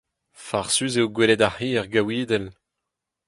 Farsus eo gwelet ar c'hi er gaouidell.